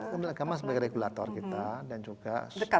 kementerian agama sebagai regulator kita dan juga